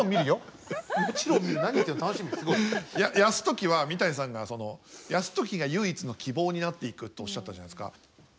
泰時は三谷さんが泰時が唯一の希望になっていくとおっしゃったじゃないですか。